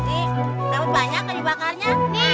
nih kamu banyak kan dibakarnya